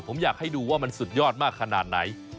ผมอยากให้ดูว่ามันสุดยอดมากขนาดไหน